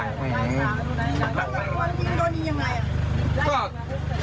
โดนยิงยังไง